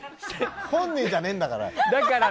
本人じゃねえんだから。